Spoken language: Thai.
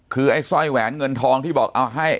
คือไอ้สร้อยแหวนเงินทองที่บอกเอาให้